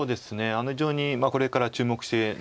非常にこれから注目してねえ